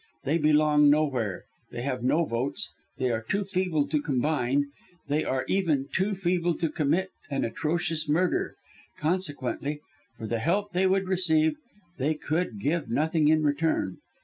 They belong nowhere they have no votes they are too feeble to combine they are even too feeble to commit an atrocious murder; consequently, for the help they would receive, they could give nothing in return.